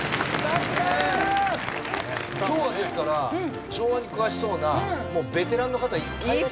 今日はですから昭和に詳しそうなもうベテランの方いっぱい。